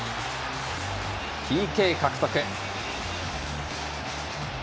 ＰＫ獲得。